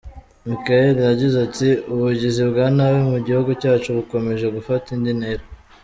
Michael yagize ati “ Ubugizi bwa nabi mu gihugu cyacu bukomeje gufata indi ntera.